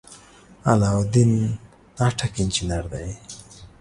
علاالدین ناټک انجنیر دی.